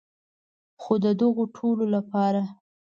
خو د دغو ټولو لپاره.